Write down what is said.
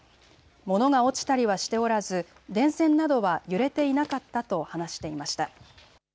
物が落ちたりはしておらず電線などは揺れていなかったと話していました。